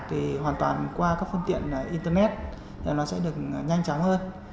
thì hoàn toàn qua các phương tiện internet nó sẽ được nhanh chóng hơn